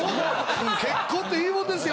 結婚っていいもんですよ。